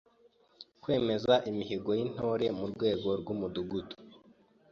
Kwemeza imihigo y’Intore ku rwego rw’Umudugudu;